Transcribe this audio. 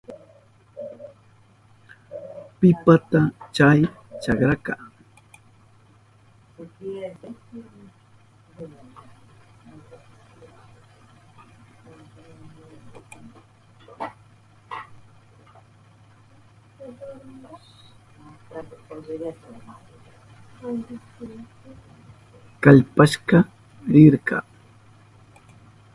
Kallpashpa rirka.